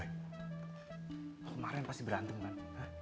kemaren pasti berantem kan